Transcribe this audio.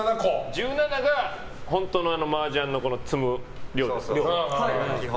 １７が本当にマージャンの積む量です。